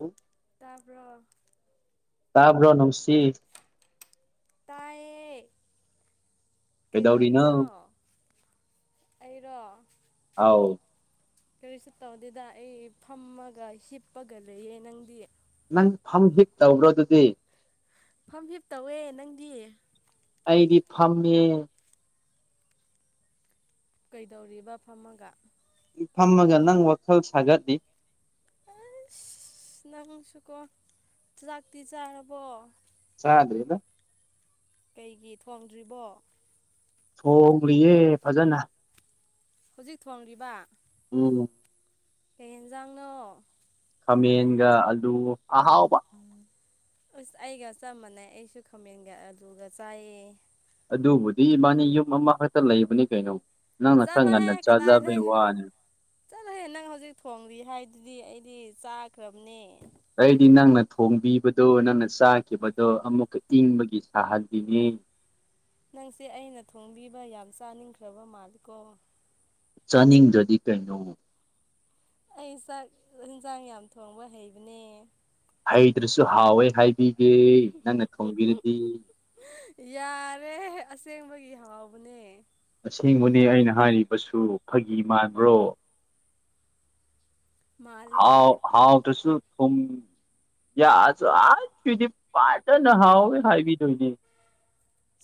INAUDIBLE ꯇꯥꯕ꯭ꯔꯣ ꯇꯥꯕ꯭ꯔꯣ ꯅꯨꯡꯁꯤ ꯇꯥꯏ ꯌꯦ ꯀꯩꯗꯧꯔꯤꯅꯣ ꯑꯩꯔꯣ ꯑꯥꯎ ꯀꯔꯤꯁꯨ ꯇꯧꯗꯦꯗ ꯑꯩ ꯐꯝꯃꯒ ꯍꯤꯞꯄꯒ ꯂꯩꯌꯦ ꯅꯪꯗꯤ ꯅꯪ ꯐꯝ ꯍꯤꯞ ꯇꯧꯕ꯭ꯔꯣ ꯑꯗꯨꯗꯤ ꯐꯝ ꯐꯤꯞ ꯇꯧꯋꯦ ꯅꯪꯗꯤ ꯑꯩꯗꯤ ꯐꯝꯃꯦ ꯀꯩꯗꯧꯔꯤꯕ ꯐꯝꯃꯒ ꯐꯝꯃꯒ ꯅꯪ ꯋꯥꯈꯜ ꯁꯥꯒꯠꯂꯤ ꯑꯩꯁ ꯅꯪꯁꯨꯀꯣ ꯆꯥꯛꯇꯤ ꯆꯥꯔꯕꯣ ꯆꯥꯗꯔ꯭ꯤꯗꯥ ꯀꯩꯒꯤ ꯊꯣꯡꯗ꯭ꯔꯤꯕꯣ ꯊꯣꯡꯂꯤꯌꯦ ꯐꯖꯅꯥ ꯍꯧꯖꯤꯛ ꯊꯣꯡꯂꯤꯕꯥ ꯎꯝ ꯀꯩ ꯍꯦꯟꯖꯥꯡꯅꯣ ꯈꯥꯃꯦꯟꯒꯥ ꯑꯂꯨ ꯑꯍꯥꯎꯕꯥ ꯑꯥꯁ ꯑꯩꯒ ꯆꯞ ꯃꯥꯟꯅꯩ ꯑꯩꯁꯨ ꯈꯥꯃꯦꯟꯒ ꯑꯂꯨꯒ ꯆꯥꯏꯌꯦ ꯑꯗꯨꯕꯨꯗꯤ ꯏꯕꯥꯅꯤ ꯌꯨꯝꯑꯃꯈꯛꯇ ꯂꯩꯕꯅꯤ ꯀꯩꯅꯣ ꯅꯪꯅ ꯈꯔ ꯆꯠꯂꯣꯍꯦ ꯉꯟꯅ ꯆꯥꯖꯕꯩ ꯀꯗꯥꯏꯗꯩ ꯋꯥꯅꯤ ꯆꯠꯂꯣꯍꯦ ꯅꯪꯍꯧꯖꯤꯛ ꯊꯣꯡꯂꯤ ꯍꯥꯏꯗꯨꯗꯤ ꯑꯩ ꯗꯤ ꯆꯥꯒ꯭ꯔꯕꯅꯦ ꯑꯩꯗꯤ ꯅꯪꯅ ꯊꯣꯡꯕꯤꯕꯗꯣ ꯅꯪꯅ ꯆꯥꯈꯤꯕꯗꯣ ꯑꯃꯨꯛꯀ ꯏꯪꯕꯒꯤ ꯁꯥꯍꯜꯂꯤꯅꯦ ꯅꯪꯁꯦ ꯑꯩꯅ ꯊꯣꯡꯕꯤꯕ ꯌꯥꯝ ꯆꯥꯅꯤꯡꯈ꯭ꯔꯕ ꯃꯥꯜꯂꯤꯀꯣ ꯆꯥꯅꯤꯡꯗ꯭ꯔꯗꯤ ꯀꯩꯅꯣ ꯑꯩ ꯆꯥꯛ ꯍꯦꯟꯖꯡ ꯌꯥꯝ ꯊꯣꯡꯕ ꯍꯩꯕꯅꯦ ꯍꯩꯇ꯭ꯔꯁꯨ ꯍꯥꯎꯋꯦ ꯍꯥꯏꯕꯤꯒꯦ ꯅꯪꯅ ꯊꯣꯡꯕꯤꯔꯗꯤ ꯌꯥꯔꯦ ꯑꯁꯦꯡꯕꯒꯤ ꯍꯥꯎꯕꯅꯦ ꯑꯁꯦꯡꯕꯅꯦ ꯑꯩꯅ ꯍꯥꯏꯔꯤꯕꯁꯨ ꯐꯥꯒꯤ ꯃꯥꯟꯕ꯭ꯔꯣ ꯃꯥꯜꯂꯦ ꯍꯥꯎ ꯍꯥꯎꯇ꯭ꯔꯁꯨ ꯊꯨꯝ ꯌꯥꯛꯑꯁꯨ ꯑꯁ ꯁꯤꯗꯤ ꯐꯖꯅ ꯍꯥꯎꯋꯦ ꯍꯥꯏꯕꯤꯗꯣꯏꯅꯤ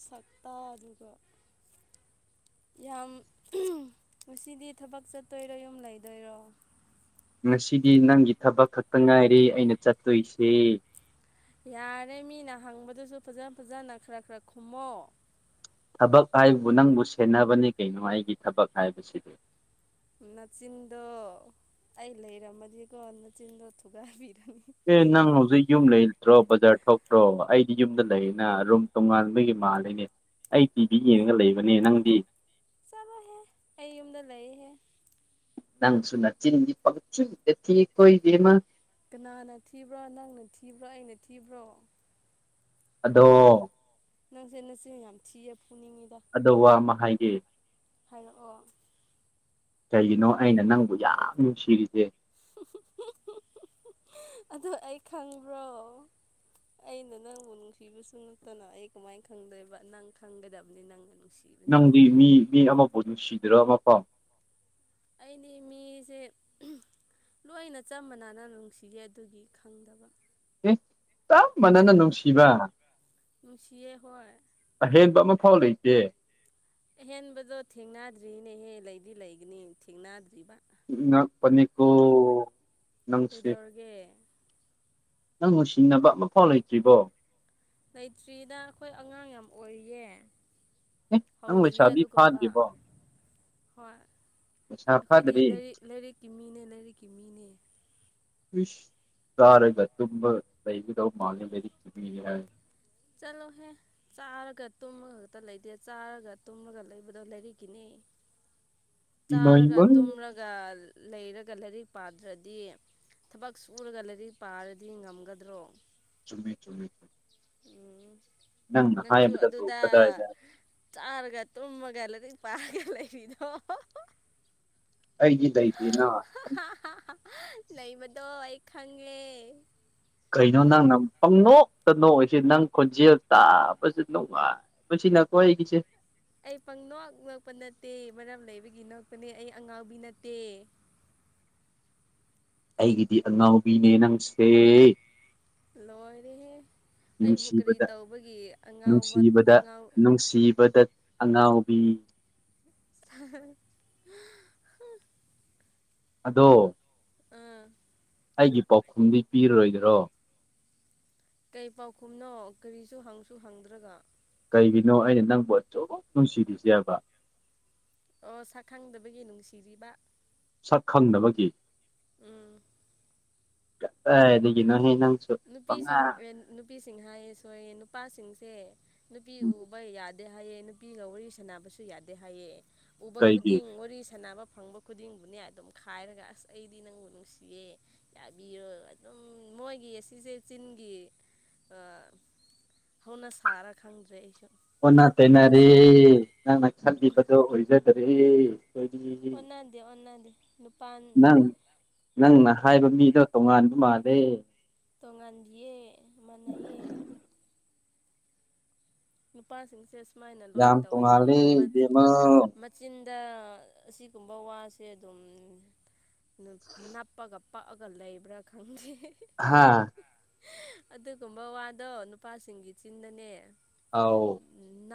ꯁꯛꯇ ꯗꯨꯒ ꯌꯥꯝ ꯉꯁꯤꯗꯤ ꯊꯕꯛ ꯆꯠꯇꯣꯏꯔꯣ ꯌꯨꯝ ꯂꯩꯗꯣꯏꯔꯣ ꯉꯁꯤꯗꯤ ꯅꯪꯒꯤ ꯊꯕꯛ ꯈꯛꯇꯪ ꯉꯥꯏꯔꯦ ꯑꯩꯅ ꯆꯠꯇꯣꯏꯁꯦ ꯌꯥꯔꯦ ꯃꯤꯅ ꯍꯪꯕꯗꯨꯁꯨ ꯐꯖ ꯐꯖꯅ ꯈꯔ ꯈꯔ ꯈꯨꯝꯃꯣ ꯊꯕꯛ ꯍꯥꯏꯕꯨ ꯅꯪꯕꯨ ꯁꯦꯟꯅꯕꯅꯦ ꯀꯩꯅꯣ ꯑꯩꯒꯤ ꯊꯕꯛ ꯍꯥꯏꯕꯁꯤꯗꯤ ꯅꯆꯤꯟꯗꯣ ꯑꯩ ꯂꯩꯔꯝꯃꯗꯤꯀꯣ ꯅꯆꯤꯟꯗꯣ ꯊꯨꯒꯥꯏꯕꯤ ꯑꯦ ꯅꯪ ꯍꯧꯖꯤꯛ ꯌꯨꯝ ꯂꯩꯇ꯭ꯔꯣ ꯕꯖꯥꯔ ꯊꯣꯛꯇ꯭ꯔꯣ ꯑꯩꯗꯤ ꯌꯨꯝꯗ ꯂꯩꯅ ꯔꯨꯝ ꯇꯣꯉꯟꯕꯒꯤ ꯃꯥꯜꯂꯤꯅꯦ ꯑꯩ ꯇꯤꯚꯤ ꯌꯦꯡꯉꯒ ꯂꯩꯕꯅꯦ ꯅꯪꯗꯤ ꯆꯂꯣꯍꯦ ꯑꯩ ꯌꯨꯝꯗ ꯂꯩꯍꯦ ꯅꯪꯁꯨ ꯅꯆꯤꯟꯗꯤ ꯄꯡꯊꯤꯗ ꯊꯤꯀꯣ ꯏꯕꯦꯝꯃ ꯀꯅꯥꯅ ꯊꯤꯕ꯭ꯔ ꯅꯪꯅ ꯊꯤꯕ꯭ꯔ ꯑꯩꯅ ꯊꯤꯕ꯭ꯔꯣ ꯑꯗꯣ ꯅꯪꯁꯦ ꯅꯆꯤꯟ ꯌꯥꯝ ꯊꯤꯌꯦ ꯐꯨꯅꯤꯡꯉꯤꯗ ꯑꯗ ꯋꯥ ꯑꯃ ꯍꯥꯏꯒꯦ ꯍꯥꯏꯔꯛꯑꯣ ꯀꯩꯒꯤꯅꯣ ꯑꯩꯅ ꯅꯪꯕꯨ ꯌꯥꯝ ꯅꯨꯡꯁꯤꯔꯤꯖꯦ ꯑꯗꯨ ꯑꯩ ꯈꯪꯕ꯭ꯔꯣ ꯑꯩꯅ ꯅꯪꯕꯨ ꯅꯨꯡꯁꯤꯕꯁꯨ ꯅꯠꯇꯅ ꯑꯩ ꯀꯃꯥꯏꯅ ꯈꯪꯗꯣꯏꯕ ꯅꯪ ꯈꯪꯒꯗꯕꯅꯤ ꯅꯪ ꯅꯪꯗꯤ ꯃꯤ ꯃꯤ ꯑꯃꯕꯨ ꯅꯨꯡꯁꯤꯗ꯭ꯔ [unintelligible] ꯑꯩꯗꯤ ꯃꯤꯖꯦ ꯑꯍꯝ ꯂꯣꯏꯅ ꯆꯞ ꯃꯟꯅꯅ ꯅꯨꯡꯁꯤꯒꯦ ꯑꯗꯨꯒꯤ ꯈꯪꯗꯕ ꯑꯦ ꯆꯞꯃꯥꯟꯅꯅ ꯅꯨꯡꯁꯤꯕ ꯅꯨꯡꯁꯤꯌꯦ ꯍꯣꯏ ꯑꯍꯦꯟꯕ ꯑꯃꯐꯥꯎ ꯂꯩꯇꯦ ꯑꯍꯦꯟꯕꯗꯣ ꯊꯦꯡꯅꯗ꯭ꯔꯤꯅꯦꯍꯦ ꯂꯩꯗꯤ ꯂꯩꯒꯅꯤ ꯊꯦꯡꯅꯗ꯭ꯔꯤꯕ ꯉꯛꯄꯅꯤꯀꯣ ꯅꯪꯁꯦ ꯀꯩꯗꯧꯔꯒꯦ ꯅꯪ ꯅꯨꯡꯁꯤꯅꯕ ꯑꯃꯐꯥꯎ ꯂꯩꯇ꯭ꯔꯤꯕꯣ ꯂꯩꯇ꯭ꯔꯤꯗ ꯑꯈꯣꯏ ꯑꯉꯥꯡ ꯌꯥꯝ ꯑꯣꯏꯔꯤꯌꯦ ꯑꯦ ꯅꯪ ꯍꯧꯗ꯭ꯔꯤꯌꯦ ꯂꯩꯁꯥꯕꯤ ꯑꯗꯨꯒꯨꯝꯕ ꯐꯥꯗ꯭ꯔꯤꯕꯣ ꯍꯣꯏ ꯂꯩꯁꯥ ꯑꯈꯣꯏꯗꯤ ꯐꯥꯗ꯭ꯔꯤ ꯂꯥꯏꯔꯤꯛ ꯂꯥꯏꯔꯤꯛꯀꯤ ꯃꯤꯅꯦ ꯂꯥꯏꯔꯤꯛꯀꯤ ꯃꯤꯅꯦ ꯏꯁ ꯆꯥꯔꯒ ꯇꯨꯝꯃꯒ ꯂꯩꯗꯧ ꯃꯥꯜꯂꯦ ꯂꯥꯏꯔꯤꯛꯀꯤ ꯃꯤꯅꯦ ꯍꯥꯏꯔ ꯆꯠꯂꯣꯍꯦ ꯆꯥꯔꯒ ꯇꯨꯝꯃꯒ ꯈꯛꯇ ꯂꯩꯇꯦ ꯆꯥꯔꯒ ꯇꯨꯝꯃꯒ ꯂꯩꯕꯗꯣ ꯂꯩꯔꯤꯛꯀꯤꯅꯦ ꯏꯃꯥ ꯆꯥꯔꯒ ꯏꯃꯥ ꯇꯨꯝꯔꯒ ꯂꯩꯔꯒ ꯂꯥꯏꯔꯤꯛ ꯄꯥꯗ꯭ꯔꯗꯤ ꯊꯕꯛ ꯁꯨꯨꯔꯒ ꯂꯥꯏꯔꯤꯛ ꯄꯥꯔꯗꯤ ꯉꯝꯒꯗ꯭ꯔꯣ ꯆꯨꯝꯃꯤ ꯆꯨꯝꯃꯤ ꯎꯝ ꯅꯪꯅ ꯅꯪꯁꯨ ꯍꯥꯏꯕꯗꯕꯨ ꯑꯗꯨꯗ ꯀꯗꯥꯏꯗ ꯆꯥꯔꯒ ꯇꯨꯝꯃꯒ ꯄꯔꯒ ꯂꯩꯔꯤꯗꯣ [unintelligible] ꯑꯩꯗꯤ ꯂꯩꯇꯦꯅ ꯂꯩꯕꯗꯣ ꯑꯩ ꯈꯪꯉꯦ ꯀꯩꯅꯩꯅꯣ ꯅꯪ ꯅ ꯄꯪꯅꯣꯛ ꯅꯣꯛꯁꯦ ꯅꯪ ꯈꯣꯟꯖꯦꯜ ꯇꯥꯕꯁꯦ ꯅꯨꯡꯉꯥꯏꯕ ꯁꯤꯅꯀꯣ ꯑꯩꯈꯣꯢꯒꯤꯁꯦ ꯑꯩ ꯄꯪꯅꯣꯛ ꯅꯣꯛꯄ ꯅꯠꯇꯦ ꯃꯔꯝ ꯂꯩꯕꯒꯤ ꯅꯣꯛꯄꯅꯦ ꯑꯩ ꯑꯉꯥꯎꯕꯤ ꯅꯠꯇꯦ [inaudible] ꯑꯩꯒꯤꯗꯤ ꯑꯉꯥꯎꯕꯤꯅꯦ ꯅꯪꯁꯦ ꯂꯣꯏꯔꯦꯍꯦ ꯑꯩꯕꯨ ꯀꯔꯤ ꯅꯨꯡꯁꯤꯕꯗ ꯇꯧꯕꯒꯤ ꯑꯉꯥꯎꯕ ꯅꯨꯡꯁꯤꯕꯗ ꯑꯉꯥꯎ ꯅꯨꯡꯁꯤꯕꯗ ꯑꯉꯥꯎꯕꯤ [unintelligible] ꯑꯗꯣ ꯎꯝ ꯑꯩꯒꯤ ꯄꯥꯎꯈꯨꯝꯗꯤ ꯄꯤꯔꯔꯣꯏꯗ꯭ꯔꯣ ꯀꯩ ꯄꯥꯎꯈꯨꯝꯅꯣ ꯀꯔꯤꯁꯨ ꯍꯪꯁꯨ ꯍꯪꯗ꯭ꯔꯒ ꯀꯩꯒꯤꯅꯣ ꯑꯩꯅ ꯅꯪꯕꯨ ꯑꯁꯨꯛ ꯅꯨꯡꯁꯤꯔꯤꯁꯦꯕ ꯑꯣ ꯁꯛꯈꯪꯗꯕꯒꯤ ꯅꯨꯡꯁꯤꯔꯤꯕ ꯁꯛ ꯈꯪꯗꯕꯒꯤ ꯎꯝ ꯀꯗꯥꯏꯗꯒꯤꯅꯣꯍꯦ ꯅꯪ ꯅꯨꯄꯤꯁꯤꯡ ꯅꯨꯄꯤꯁꯤꯡ ꯍꯥꯏꯌꯦ ꯁꯣꯏꯌꯦ ꯅꯨꯄꯥꯁꯤꯡꯁꯦ ꯅꯨꯄꯤ ꯎꯕ ꯌꯥꯗꯦ ꯍꯥꯏꯑ ꯅꯨꯄꯤꯒ ꯋꯥꯔꯤ ꯁꯅꯕꯁꯨ ꯌꯥꯗꯦ ꯍꯥꯏꯑ ꯎꯕ ꯀꯩꯒꯤ ꯈꯨꯗꯤꯡ ꯋꯥꯔꯤ ꯁꯥꯟꯅꯕ ꯐꯪꯕ ꯈꯨꯗꯤꯡꯕꯨꯅꯦ ꯑꯗꯨꯝ ꯈꯥꯏꯔꯒ ꯑꯁ ꯑꯩꯗꯤ ꯅꯪꯕꯨ ꯅꯨꯡꯁꯤꯌꯦ ꯌꯥꯕꯤꯔꯣ ꯑꯗꯨꯝ ꯃꯣꯏꯒꯤ ꯑꯁ ꯁꯤꯁꯦ ꯆꯤꯟꯒꯤ ꯑꯥ ꯍꯧꯅ ꯁꯥꯔ ꯈꯪꯗ꯭ꯔꯦ ꯑꯩ ꯁꯨ ꯑꯣꯟꯅ ꯇꯩꯅꯔꯦ ꯅꯪꯅ ꯈꯟꯂꯤꯕꯗꯨ ꯑꯣꯏꯖꯗꯔꯦ ꯑꯩꯈꯣꯏꯗꯤ ꯑꯣꯗꯦ ꯑꯣꯟꯗꯦ ꯅꯨꯄꯥꯥꯟ ꯅꯪ ꯅꯪꯅ ꯍꯥꯏꯕ ꯃꯤꯗꯣ ꯇꯣꯉꯥꯟꯕ ꯃꯥꯜꯂꯦ ꯇꯣꯡꯉꯥꯟꯗꯤꯌꯦ ꯃꯟꯅꯩꯌꯦ ꯅꯨꯄꯥꯁꯤꯡꯁꯦ ꯁꯨꯃꯥꯏꯅ ꯂꯣꯏ ꯌꯥꯝ ꯇꯧꯋꯦ ꯇꯣꯡꯉꯥꯜꯂꯦ ꯍꯥꯏꯌꯦ ꯏꯕꯦꯝꯃ ꯃꯆꯤꯟ ꯗ ꯑꯁꯤꯒꯨꯝꯕ ꯋꯥꯁꯦ ꯑꯗꯨꯝ ꯅꯞꯄꯒ ꯄꯛꯑꯒ ꯂꯩꯕ꯭ꯔꯥ ꯈꯪꯗꯦ ꯍꯥꯥ ꯑꯗꯨꯒꯨꯝꯕ ꯋꯥꯗꯣ ꯅꯨꯄꯥꯁꯤꯡꯒꯤ ꯆꯤꯟꯗꯅꯦ ꯑꯧ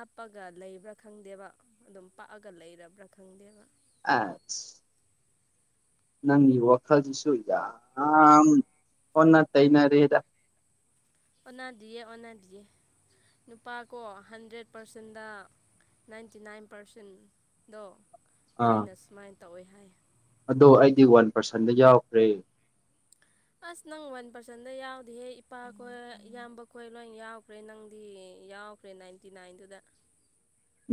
ꯄꯛꯑꯒ ꯂꯩꯕ꯭ꯔꯥ ꯈꯪꯗꯦꯕ ꯑꯗꯨꯝ ꯄꯥꯛꯑꯒ ꯂꯩꯔꯕ꯭ꯔꯥ ꯈꯪꯗꯦꯕ ꯑꯥꯁ ꯅꯪꯒꯤ ꯋꯥꯈꯜꯗꯨꯁꯨ ꯌꯥꯝ ꯑꯣꯟꯅ ꯇꯩꯅꯔꯦꯗ ꯑꯣꯟꯗꯤꯌꯦ ꯑꯣꯟꯅꯗꯤꯌꯦ ꯅꯨꯄꯥꯀꯣ ꯍꯟꯗ꯭ꯔꯦꯠ ꯄꯥꯔꯁꯦꯟꯗ ꯅꯥꯏꯟꯇꯤ ꯅꯥꯏꯟ ꯄꯥꯔꯁꯦꯟꯗꯣ ꯑꯥ ꯂꯣꯏꯅ ꯁꯨꯃꯥꯏꯅ ꯇꯧꯋꯦ ꯍꯥꯏ ꯑꯗꯣ ꯑꯩꯗꯤ ꯋꯥꯟ ꯄꯥꯔꯁꯟꯗ ꯌꯥꯎꯈ꯭ꯔꯦ ꯑꯁ ꯅꯪ ꯋꯥꯟ ꯄꯥꯔꯁꯟꯗ ꯌꯥꯎꯗꯤꯍꯦ ꯏꯄꯥꯈꯣꯏ ꯏꯌꯥꯝꯕ ꯈꯣꯏ ꯂꯣꯏ ꯌꯥꯎꯈ꯭ꯔꯦ ꯅꯪꯗꯤ ꯌꯥꯎꯈ꯭ꯔꯦ ꯅꯥꯏꯟꯇꯤ ꯅꯥꯏꯟꯗꯨꯗ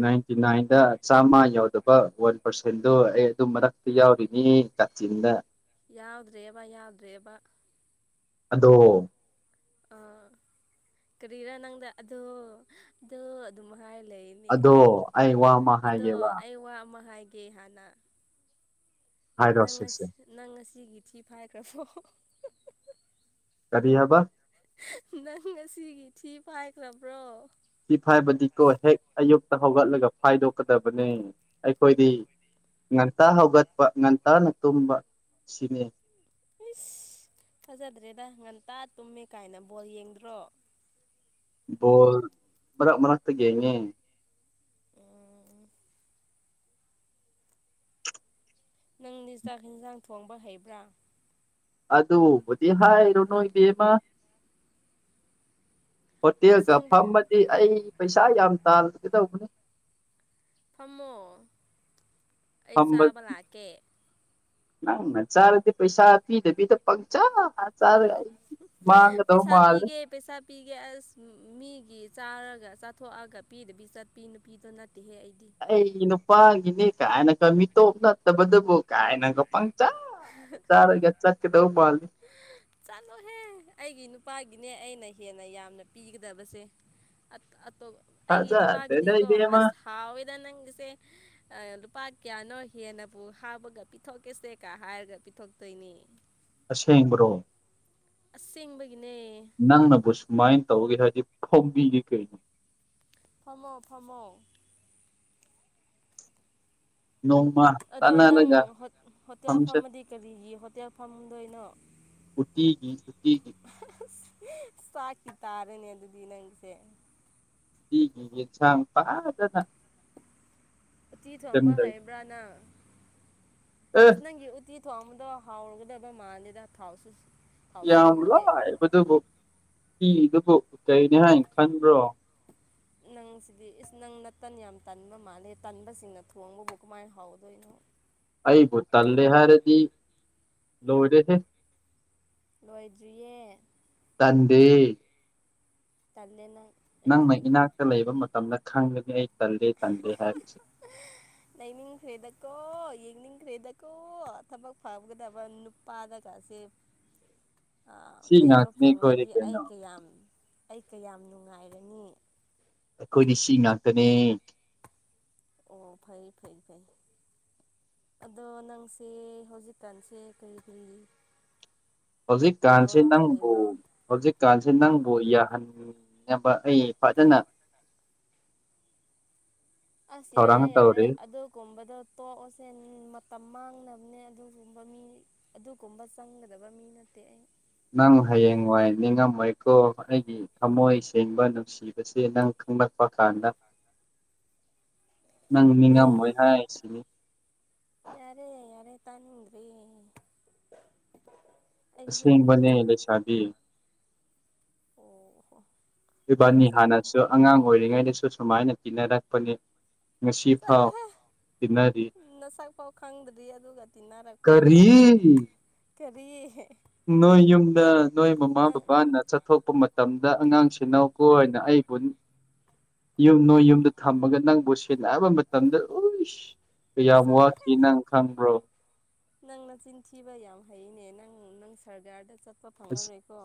ꯅꯥꯏꯟꯇꯤ ꯅꯥꯏꯟꯗ ꯆꯥꯝꯃ ꯌꯥꯎꯗꯕ ꯋꯥꯟ ꯄꯔꯁꯦꯟꯠꯗꯣ ꯑꯩ ꯑꯗꯨ ꯃꯔꯛꯇ ꯌꯥꯎꯔꯤꯅꯤ ꯀꯥꯆꯤꯟ ꯗ ꯌꯥꯎꯗ꯭ꯔꯦꯕ ꯌꯥꯎꯗ꯭ꯔꯦꯕ ꯑꯗꯣ ꯑ ꯀꯔꯤꯔꯥ ꯅꯪꯗ ꯑꯗꯣ ꯑꯗꯣ ꯑꯗꯨꯝꯃ ꯥꯍꯥꯏꯔ ꯂꯩꯌꯦꯅꯦ ꯑꯗꯣ ꯑꯩ ꯋꯥ ꯑꯃ ꯑꯗꯣ ꯍꯥꯏꯒꯦꯕ ꯑꯩ ꯋꯥ ꯑꯃ ꯍꯥꯏꯒꯦ ꯍꯥꯟꯅ ꯍꯥꯏꯔꯣ ꯅꯪ ꯁꯤꯁꯦ ꯉꯁꯤ ꯅꯪ ꯉꯁꯤꯒꯤ ꯊꯤ ꯐꯥꯏꯈ꯭ꯔꯕꯣ ꯀꯔꯤ ꯍꯥꯏꯕ ꯅꯪ ꯉꯁꯤꯒꯤ ꯊꯤ ꯐꯥꯏꯈ꯭ꯂꯕ꯭ꯔꯣ ꯊꯤ ꯐꯥꯏꯕꯗꯤꯀꯣ ꯍꯦꯛ ꯑꯌꯨꯛꯇ ꯍꯧꯒꯠꯂꯒ ꯐꯥꯏꯗꯣꯛꯀꯗꯕꯅꯦ ꯑꯩꯈꯣꯏꯗꯤ ꯉꯟꯇꯥ ꯍꯧꯒꯠꯄ ꯉꯟꯇꯥꯅ ꯇꯨꯝꯕ ꯁꯤꯅꯤ ꯍꯩꯁ ꯊꯥꯖꯗ꯭ꯔꯦꯗ ꯉꯟꯇꯥ ꯇꯨꯝꯃꯦ ꯀꯥꯏꯅ ꯕꯣꯜ ꯌꯦꯡꯗ꯭ꯔꯣ ꯕꯣꯜ ꯃꯔꯛ ꯃꯔꯛꯇ ꯌꯦꯡꯉꯦ ꯅꯪꯗꯤ ꯆꯥꯛ ꯢꯟꯖꯥꯡ ꯊꯣꯡꯕ ꯍꯩꯕ꯭ꯔꯥ ꯑꯗꯨꯕꯨꯗꯤ ꯍꯥꯏꯔꯨꯅꯨ ꯏꯕꯦꯝꯃ ꯍꯣꯇꯦꯜꯒ ꯑꯁꯦꯡꯕ ꯐꯝꯃꯗꯤ ꯑꯩ ꯄꯩꯁꯥ ꯌꯥꯝ ꯇꯥꯟꯒꯗꯧꯕꯅꯤ ꯐꯝꯃꯣ ꯑꯩ ꯐꯝꯕ ꯆꯥꯕ ꯂꯥꯛꯀꯦ ꯅꯪꯅ ꯆꯥꯔꯗꯤ ꯄꯩꯁꯥ ꯄꯤꯗꯕꯤꯗ ꯄꯛꯆꯥ ꯄꯩꯁꯥ ꯃꯥꯜꯂꯦ ꯄꯤꯒꯦ ꯄꯩꯁꯥ ꯄꯤꯒꯦ ꯑꯁ ꯃꯤꯒꯤ ꯆꯥꯔꯒ ꯆꯥꯊꯣꯛꯑꯒ ꯄꯤꯗꯕꯤ ꯆꯠꯄꯤ ꯅꯨꯄꯤꯗꯣ ꯅꯠ ꯑꯩ ꯅꯨꯄꯥꯒꯤꯅꯤ ꯀꯥꯏꯅꯀ ꯃꯤꯇꯣꯞ ꯅꯠꯇꯕꯗꯕꯨ ꯀꯥꯏꯅꯒ ꯄꯪ ꯆꯥ ꯆꯥꯔꯒ ꯆꯠꯀꯗꯧꯕ ꯃꯥꯜꯂꯤ ꯆꯠꯂꯣꯍꯦ ꯑꯩꯒꯤ ꯅꯨꯄꯥꯒꯤꯅꯦ ꯑꯩꯅ ꯍꯦꯟꯅ ꯌꯥꯝꯅ ꯄꯤꯒꯗꯕꯁꯦ ꯑꯠ ꯑꯠ ꯇꯣꯕ ꯑꯩꯒꯤ ꯊꯥꯖꯗꯦꯗ ꯅꯨꯄꯥꯒꯤꯗꯤꯀꯣ ꯏꯕꯦꯝꯃ ꯑꯁ ꯍꯥꯎꯋꯦꯗ ꯅꯪꯒꯤꯁꯦ ꯑ ꯂꯨꯞ ꯄꯥ ꯀ꯭ꯌꯥꯅꯣ ꯍꯦꯟꯅꯕꯨ ꯍꯥꯞꯄꯒ ꯄꯤꯊꯣꯛꯀꯦꯁꯦ ꯀ ꯍꯥꯏꯔꯒ ꯄꯤꯊꯣꯛꯇꯣꯏꯅꯤ ꯑꯁꯦꯡꯕꯔꯣ ꯑꯁꯦꯡꯕꯩ ꯅꯪꯅꯕꯨ ꯁꯨꯃꯥꯏꯟ ꯇꯧꯒꯦ ꯍꯥꯏꯔꯗꯤ ꯐꯣꯝꯕꯤꯒꯤ ꯀꯩꯅꯣ ꯐꯝꯃꯣ ꯐꯝꯃꯣ ꯅꯣꯡꯃ ꯑꯗꯣ ꯅꯪ ꯇꯥꯟꯅꯔꯒ ꯍꯣꯠ ꯍꯣꯇꯦꯜ ꯐꯝꯆꯠ ꯐꯝꯃꯗꯤ ꯀꯔꯤꯒꯤ ꯍꯣꯇꯦꯜ ꯐꯝꯗꯣꯏꯅꯣ ꯎꯇꯤꯒꯤ ꯎꯇꯤꯒꯤ ꯆꯥꯛꯀꯤ ꯇꯥꯔꯅꯦ ꯑꯗꯨꯗꯤ ꯅꯪꯒꯤꯁꯦ ꯎꯇꯤꯒꯤ ꯌꯦꯟꯁꯥꯡ ꯐꯖꯅ ꯎꯇꯤ ꯊꯣꯡꯕ ꯁꯦꯝꯗꯣꯏꯅꯤ ꯍꯩꯕ꯭ꯔꯥ ꯅꯪ ꯑꯦ ꯑꯁ ꯅꯪꯒꯤ ꯎꯇꯤ ꯊꯣꯡꯕꯗꯣ ꯍꯥꯎꯒꯗꯕ ꯃꯥꯗꯦꯗ ꯊꯥꯎꯁꯨ ꯊꯥꯎꯁꯨ ꯌꯥꯝ ꯉꯧꯗꯦ ꯂꯥꯏꯕꯗꯨꯕꯨ ꯇꯤꯗꯕꯨ ꯎꯆꯩꯅꯦ ꯍꯥꯏꯟ ꯈꯟꯕ꯭ꯔꯣ ꯅꯪ ꯅꯪꯁꯤꯗꯤ ꯏꯁ ꯅꯪ ꯅꯠꯇꯟ ꯌꯥꯝ ꯇꯟꯕ ꯃꯥꯜꯂꯦ ꯇꯟꯕꯁꯤꯡꯅ ꯊꯣꯡꯕꯕꯨ ꯀꯃꯥꯏꯟ ꯍꯥꯎꯒꯗꯣꯏꯅꯣ ꯑꯩꯕꯨ ꯇꯜꯂꯦ ꯍꯥꯏꯔꯗꯤ ꯂꯣꯏꯔꯦꯍꯦ ꯂꯣꯏꯗ꯭ꯔꯤꯌꯦ ꯇꯟꯗꯦ ꯇꯜꯂꯦ ꯅꯪ ꯑꯩ ꯅꯪꯅ ꯈꯪꯉꯦ ꯏꯅꯥꯛꯇ ꯂꯩꯕ ꯃꯇꯝꯗ ꯈꯪꯒꯅꯤ ꯑꯩ ꯇꯜꯂꯦ ꯇꯜꯂꯦ ꯍꯥꯏꯕꯁꯦ [unintelligible] ꯂꯩꯅꯤꯡ ꯈ꯭ꯔꯦꯗꯀꯣ ꯌꯦꯡꯅꯤꯡ ꯈ꯭ꯔꯦꯗꯀꯣ ꯀꯣ ꯊꯕꯛ ꯐꯒꯗꯕ ꯅꯨꯄꯥꯗꯒꯥꯁꯦ ꯁꯤ ꯂꯩꯕ ꯉꯥꯛꯇꯅꯤ ꯑꯩꯈꯣꯏꯗꯤ ꯐꯪꯉꯗꯤ ꯑꯩ ꯀꯩꯅꯣ ꯀꯌꯥꯝ ꯑꯩ ꯀꯌꯥꯝ ꯅꯨꯡꯉꯥꯏꯔꯅꯤ ꯑꯩꯈꯣꯏꯗꯤ ꯁꯤ ꯉꯥꯛꯇꯅꯦ ꯑꯣ ꯐꯩ ꯐꯩ ꯐꯩ ꯑꯗꯣ ꯅꯪꯁꯦ ꯍꯧꯖꯤꯛꯀꯥꯟꯁꯦ ꯀꯔꯤ ꯀꯔꯤ ꯍꯧꯖꯤꯛꯀꯥꯟꯁꯦ ꯇꯧꯔꯒ ꯅꯪꯕꯨ ꯂꯩꯕ꯭ꯔꯣ ꯍꯧꯖꯤꯛꯀꯥꯟꯁꯦ ꯅꯪꯕꯨ ꯌꯥꯍꯟ ꯅꯕ ꯑꯩ ꯐꯖꯅ ꯑꯁ ꯊꯧꯔꯥꯡ ꯌꯥꯔꯦ ꯌꯥꯔꯦ ꯇꯧꯔꯤ ꯑꯗꯨꯒꯨꯝꯕꯗꯣ ꯇꯣꯛꯑꯁꯦ ꯃꯇꯝ ꯃꯥꯡꯅꯕꯅꯦ ꯑꯗꯨꯒꯨꯝꯕ ꯃꯤ ꯑꯗꯨꯒꯨꯝꯕ ꯆꯪꯒꯗꯕ ꯃꯤ ꯅꯠꯇꯦ ꯑꯩ ꯅꯪ ꯍꯌꯦꯡꯋꯥꯏ ꯅꯤꯡꯉꯝꯃꯣꯏꯀꯣ ꯑꯩꯒꯤ ꯊꯝꯃꯣꯏ ꯁꯦꯡꯕ ꯅꯨꯡꯁꯤꯕꯁꯦ ꯅꯪ ꯈꯪꯂꯛꯄ ꯀꯥꯟꯗ [inaudible] ꯅꯪ ꯅꯤꯡꯉꯝꯃꯣꯏ ꯍꯥꯏꯁꯤꯅꯤ ꯇꯅꯤꯗ꯭ꯔꯦ ꯑꯁꯦꯡꯕꯅꯦ ꯂꯩꯁꯕꯤ ꯑꯣ ꯍꯣ ꯅꯪ ꯏꯕꯥꯅꯤ ꯅꯆꯥ ꯍꯥꯟꯅꯁꯨ ꯑꯉꯥꯡ ꯑꯣꯏꯔꯤꯉꯩꯗꯁꯨ ꯁꯨꯃꯥꯏꯅ ꯇꯤꯟꯅꯔꯛ ꯄꯅꯦ ꯉꯁꯤ ꯐꯥꯎ ꯎ ꯇꯤꯟꯅꯔꯤ ꯅꯁꯛ ꯐꯥꯎ ꯈꯪꯗ꯭ꯔꯤ ꯑꯗꯨꯒ ꯇꯤꯟꯅꯔꯛꯄꯅꯤ ꯀꯥꯏꯅ ꯀꯔꯤ ꯀꯔꯤ ꯅꯣꯏ ꯌꯨꯝꯗ ꯅꯣꯏ ꯃꯃꯥ ꯅꯪ ꯕꯕꯥꯅ ꯆꯠꯊꯣꯛꯄ ꯃꯇꯝ ꯑꯗ ꯑꯉꯥꯡꯁꯤꯅꯧ ꯀꯣ ꯅ ꯑꯩꯕꯨ ꯌꯨꯝ ꯅꯣꯏ ꯌꯨꯝꯗ ꯊꯝꯃꯒ ꯅꯪꯕꯨ ꯁꯦꯜꯅꯕ ꯃꯇꯝꯗ ꯎꯏꯁ ꯀꯌꯥꯝ ꯆꯠꯂꯣꯍꯦ ꯋꯥꯈꯤ ꯅꯪ ꯈꯪꯕ꯭ꯔꯣ ꯅꯪ ꯅꯆꯤꯟꯊꯤꯕ ꯌꯥꯝ ꯍꯩꯅꯦ ꯅꯪ ꯅꯪ ꯁꯔꯀꯥꯔꯗ ꯑꯁ ꯐꯪꯉꯔꯣꯏꯀꯣ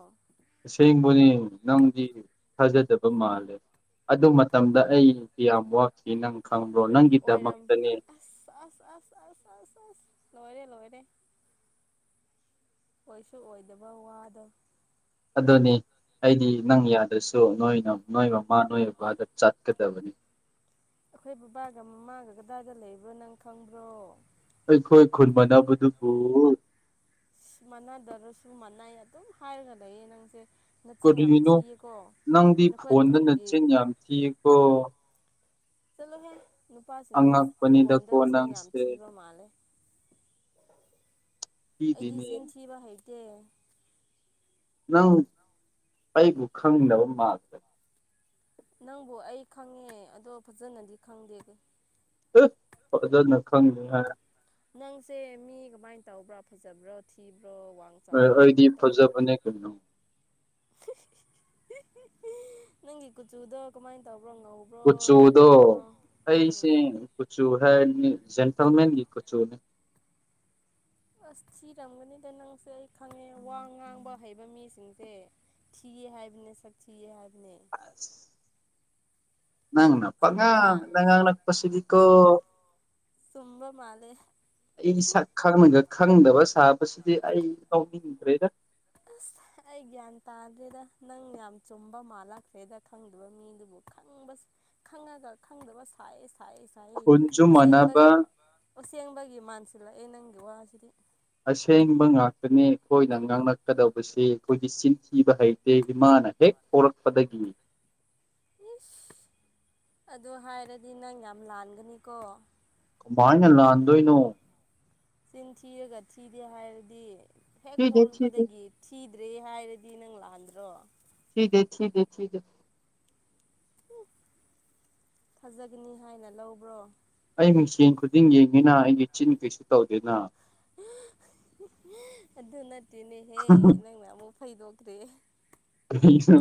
ꯑꯁꯦꯡꯕꯅꯦ ꯅꯪꯗꯤ ꯊꯥꯖꯗꯕ ꯃꯥꯜꯂꯦ ꯑꯗꯨ ꯃꯇꯝꯗ ꯑꯩꯗꯤ ꯌꯥꯝ ꯋꯥꯈꯤ ꯅꯪ ꯈꯪꯕ꯭ꯔꯣ ꯑꯣꯏꯔꯝ ꯅꯪꯒꯤꯗꯃꯛꯇꯅꯦ ꯑꯁ ꯑꯁ ꯑꯁ ꯑꯁ ꯑꯁ ꯑꯁ ꯂꯣꯏꯔꯦ ꯂꯣꯏꯔꯦ ꯑꯣꯏꯁꯨ ꯑꯣꯏꯗꯕ ꯋꯥꯗꯣ ꯑꯗꯨꯅꯤ ꯑꯩꯗꯤ ꯅꯪ ꯌꯥꯗꯁꯨ ꯅꯣꯏꯅ ꯅꯣꯏꯃ ꯃꯥꯗꯣ ꯑꯩ ꯅꯨꯄꯥꯗ ꯆꯠꯀꯗꯕꯅꯤ ꯃꯥꯥꯒ ꯀꯗꯥꯏꯗ ꯂꯩꯕ꯭ꯔꯣ ꯅꯪ ꯈꯪꯕ꯭ꯔꯣ ꯑꯩꯈꯣꯏ ꯈꯨꯟ ꯃꯅꯨꯕꯗꯨꯕꯨ ꯃꯥꯟꯅꯗ꯭ꯔꯁꯨ ꯃꯥꯟꯅꯩ ꯑꯗꯨꯝ ꯍꯥꯏꯔꯒ ꯂꯩꯌꯦ ꯅꯪꯁꯦ ꯅꯆꯤꯟ ꯌꯥꯝ ꯀꯔꯤꯅꯣ ꯊꯤꯌꯦꯀꯣ ꯅꯪꯗꯤ ꯅꯈꯣꯏ ꯈꯨꯟꯒꯤ ꯐꯣꯟꯗꯅꯆꯤꯟ ꯌꯥꯝ ꯊꯤꯌꯦꯀꯣ ꯆꯠꯂꯣꯍꯦꯟ ꯅꯨꯄꯥꯁꯤꯡꯁꯤ ꯐꯣꯟꯗ ꯑꯉꯛꯄꯅꯤꯗꯀꯣ ꯆꯤꯟ ꯌꯥꯝ ꯅꯪꯁꯦ ꯊꯤꯕ ꯃꯥꯜꯂꯦ ꯑꯩꯗꯤ ꯊꯤꯗꯤꯅꯦ ꯆꯤꯟ ꯊꯤꯕ ꯍꯩꯇꯦ ꯅꯪ ꯑꯩꯕꯨ ꯈꯪꯗꯕ ꯃꯥꯜꯂꯦ ꯅꯪꯕꯨ ꯑꯩ ꯈꯪꯉꯦ ꯑꯗꯣ ꯐꯖꯅꯗꯤ ꯈꯪꯗꯦ ꯑꯗꯨ ꯑꯦ ꯐꯖꯅꯥ ꯈꯪꯗꯦ ꯍꯥꯏ ꯅꯪꯁꯦ ꯃꯤ ꯀꯃꯥꯏꯅ ꯇꯧꯕ꯭ꯔꯥ ꯐꯖꯕ꯭ꯔꯣ ꯊꯤꯕꯥ ꯑꯦ ꯑꯩꯗꯤ ꯐꯖꯕꯅꯦ ꯀꯩꯅꯣ [unintelligible] ꯅꯪꯒꯤ ꯀꯨꯆꯨꯗꯣ ꯀꯃꯥꯏꯅ ꯇꯧ ꯀꯨꯆꯨꯗꯣ ꯎꯝ ꯑꯩꯁꯦ ꯀꯨꯆꯨ ꯍꯥꯏꯔꯗꯤ ꯖꯦꯟꯇꯜꯃꯦꯟꯒꯤ ꯀꯨꯆꯨꯅꯦ ꯑꯁ ꯊꯤꯔꯝꯒꯅꯤꯗ ꯅꯪꯁꯦ ꯑꯩ ꯈꯪꯉꯦ ꯋꯥ ꯉꯥꯡꯕ ꯍꯩꯕ ꯃꯤꯁꯤꯡꯁꯦ ꯊꯤꯌꯦ ꯍꯥꯏꯕꯅꯦ ꯁꯛꯊꯤꯌꯦ ꯍꯥꯏꯕꯅꯦ ꯑꯁ ꯅꯪꯅ ꯆꯨꯝꯕ꯭ꯔꯥ ꯄꯡꯉꯥꯡꯗ ꯉꯥꯡꯂꯛꯄꯁꯤꯗꯤꯀꯣ ꯆꯨꯝꯕ ꯃꯥꯜꯂꯦ ꯑꯩ ꯁꯛ ꯈꯪꯂꯒꯥ ꯈꯪꯗꯕ ꯁꯥꯕꯁꯤꯗꯤ ꯑꯩ ꯀꯥꯎꯅꯤꯡ ꯀꯔꯤꯔ ꯑꯁ ꯑꯩ ꯒ꯭ꯌꯥꯟ ꯇꯥꯗ꯭ꯔꯦꯗ ꯅꯪ ꯌꯥꯝ ꯆꯨꯝꯕ ꯃꯥꯜꯂꯈ꯭ꯔꯦꯗ ꯈꯪꯗꯕ ꯃꯤꯗꯨꯕꯨ ꯈꯪꯕ ꯈꯪꯉꯒ ꯈꯪꯗꯕ ꯁꯥꯏꯁꯦ ꯁꯥꯌꯦ ꯁꯥꯌꯦ ꯈꯨꯟꯁꯨ ꯑꯁꯦꯡꯕꯒꯤ ꯃꯥꯟꯅꯕ ꯑꯁꯦꯡꯕꯒꯤ ꯃꯥꯟꯁꯤꯜꯂꯛꯑꯦ ꯅꯪꯒꯤ ꯋꯥꯁꯤꯗꯤ ꯑꯁꯦꯡꯕ ꯉꯥꯛꯇꯅꯦ ꯑꯩꯈꯣꯏꯅ ꯉꯥꯡꯂꯛꯀꯗꯧꯕꯁꯦ ꯑꯩꯈꯣꯏꯒꯤ ꯆꯤꯟꯊꯤꯕ ꯍꯩꯇꯦ ꯏꯃꯥ ꯍꯦꯛ ꯄꯣꯛꯂꯛꯄꯗꯒꯤ [inaudible] ꯏꯁ ꯑꯗꯨ ꯍꯥꯏꯔꯗꯤ ꯅꯪ ꯌꯥꯝ ꯂꯥꯟꯒꯅꯤꯀꯣ ꯀꯃꯥꯏꯅ ꯂꯥꯟꯗꯣꯏꯅꯣ ꯆꯤꯟ ꯊꯤꯔꯒ ꯊꯤꯗꯦ ꯍꯥꯏꯔꯗꯤ ꯍꯦꯛ ꯊꯤꯗꯦ ꯊꯤꯗꯦ ꯄꯣꯛꯂꯛꯄꯗꯒꯤ ꯊꯤ ꯗ꯭ꯔꯤ ꯍꯥꯏꯔꯗꯤ ꯅꯪ ꯂꯥꯟꯗ꯭ꯔꯣ ꯊꯤꯗꯦ ꯊꯤꯗꯦ ꯊꯤꯗꯦ ꯊꯥꯖꯒꯅꯤ ꯍꯥꯏꯅ ꯂꯧꯕ꯭ꯔꯣ ꯑꯩ ꯃꯤꯡꯁꯦꯟ ꯈꯨꯗꯤꯡ ꯌꯦꯡꯉꯤꯅ ꯑꯩꯗꯤ ꯆꯤꯟ ꯀꯩꯁꯨ ꯇꯧꯗꯦꯅ ꯑꯗꯨ ꯅꯠꯇꯦꯅꯦꯍꯦ ꯅꯪꯅ ꯑꯃꯨꯛ ꯐꯩꯗꯣꯛꯇꯦ ꯀꯩꯅꯣ